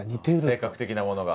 性格的なものが。